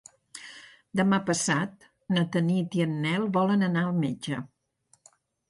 Demà passat na Tanit i en Nel volen anar al metge.